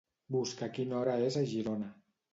Busca quina hora és a Girona.